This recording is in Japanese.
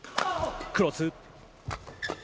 クロス。